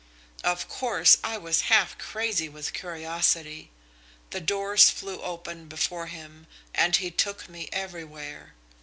"Of course, I was half crazy with curiosity. The doors flew open before him, and he took me everywhere.